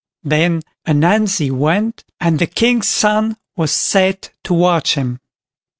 Then Ananzi went, and the King's son was set to watch him.